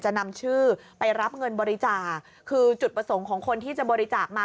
นำชื่อไปรับเงินบริจาคคือจุดประสงค์ของคนที่จะบริจาคมา